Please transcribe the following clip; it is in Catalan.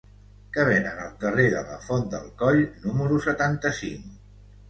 Què venen al carrer de la Font del Coll número setanta-cinc?